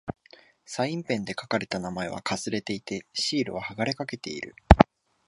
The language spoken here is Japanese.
サインペンで書かれた名前は掠れていて、シールは剥がれかけている。